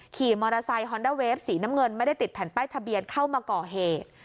ขี่มอเตอร์ไซคอนด้าเวฟสีน้ำเงินไม่ได้ติดแผ่นป้ายทะเบียนเข้ามาก่อเหตุ